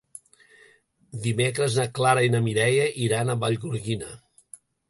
Dimecres na Clara i na Mireia iran a Vallgorguina.